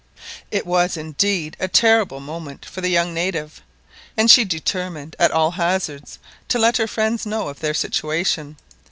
It was indeed a terrible moment for the young native, and she determined at all hazards to let her friends know of their situation.